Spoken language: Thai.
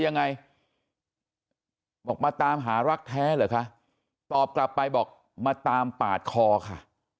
ยังไงบอกมาตามหารักแท้เหรอคะตอบกลับไปบอกมาตามปาดคอค่ะ